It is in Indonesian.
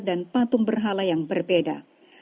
dan patung berhala yang berbeda